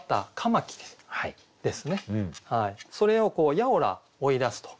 それを「やをら追い出す」と。